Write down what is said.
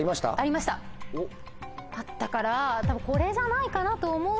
あったから多分これじゃないかなと思うんだけど。